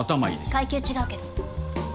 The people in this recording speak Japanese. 階級違うけど。